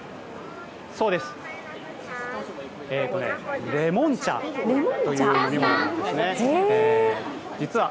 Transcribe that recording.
そうです、レモン茶という飲み物なんですね。